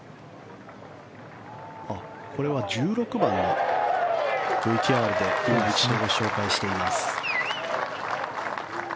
これは１６番のＶＴＲでいま一度ご紹介しています。